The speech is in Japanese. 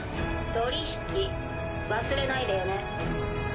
取り引き忘れないでよね。